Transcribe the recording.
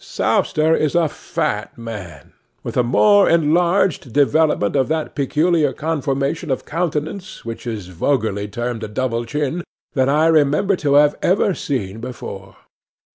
'Sowster is a fat man, with a more enlarged development of that peculiar conformation of countenance which is vulgarly termed a double chin than I remember to have ever seen before.